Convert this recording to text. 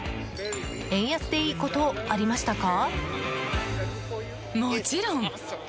円安で良いことありましたか？